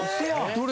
どれ？